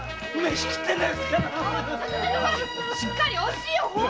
しっかりおしよ！